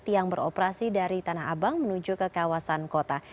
yang beroperasi dari tanah abang menuju ke kawasan kota